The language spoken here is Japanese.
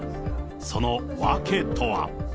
その訳とは。